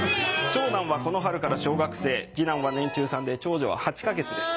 長男はこの春から小学生次男は年中さんで長女は８か月です。